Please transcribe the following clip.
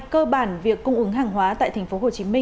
cơ bản việc cung ứng hàng hóa tại tp hcm